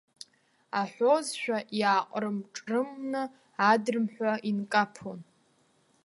Аҳәозшәа иааҟрым-ҿрымны адрымҳәа инкаԥон.